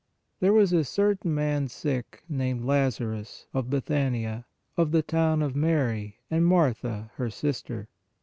There was a certain man sick, named Lazarus, of Bethania, of the town of Mary and Martha, her sister.